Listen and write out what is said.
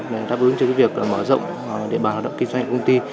để đáp ứng cho cái việc mở rộng địa bàn lao động kinh doanh của công ty